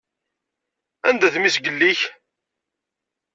Anda-t mmi-s n yelli-k?